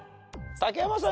竹山さん